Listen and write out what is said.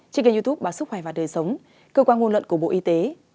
trên kênh youtube báo sức khỏe và đời sống cơ quan ngôn luận của bộ y tế